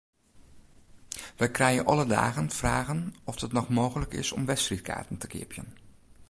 Wy krije alle dagen fragen oft it noch mooglik is om wedstriidkaarten te keapjen.